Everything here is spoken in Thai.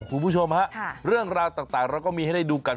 คุณผู้ชมฮะเรื่องราวต่างเราก็มีให้ได้ดูกัน